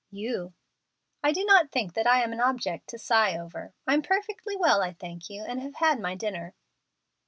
"You." "I do not think that I am an object to sigh over. I'm perfectly well, I thank you, and have had my dinner."